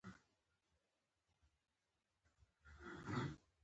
سیلاني ځایونه د اقلیمي نظام یو ښه ښکارندوی دی.